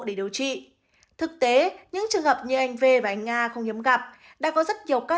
để điều trị thực tế những trường hợp như anh v và anh nga không hiếm gặp đã có rất nhiều các